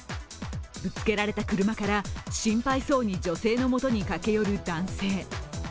ぶつけられた車から心配そうに女性の元に駆け寄る男性。